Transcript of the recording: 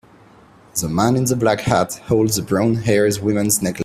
The man in the black hat holds the brown hair woman 's necklace.